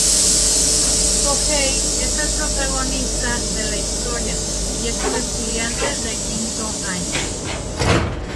Kohei es el protagonista de la historia, y es un estudiante de quinto año.